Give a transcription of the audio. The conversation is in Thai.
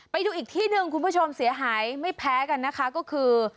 ไปดูอีกที่หนึ่งคุณผู้ชมเสียหายไม่แพ้กันนะคะก็คือ